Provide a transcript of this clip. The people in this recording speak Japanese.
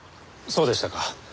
そうでしたか。